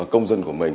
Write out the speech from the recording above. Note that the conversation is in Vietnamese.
công dân của mình